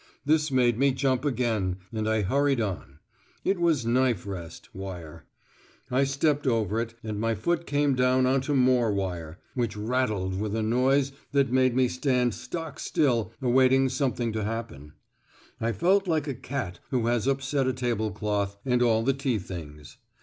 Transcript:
This made me jump again, and I hurried on. It was "knife rest" wire (see next page). I stepped over it, and my foot came down on to more wire, which rattled with a noise that made me stand stock still awaiting something to happen. I felt like a cat who has upset a tablecloth and all the tea things.